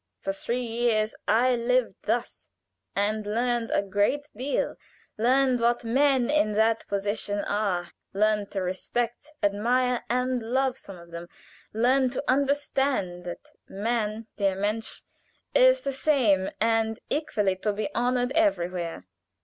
For three years I lived thus, and learned a great deal, learned what men in that position are learned to respect, admire, and love some of them learned to understand that man der Mensch is the same, and equally to be honored everywhere.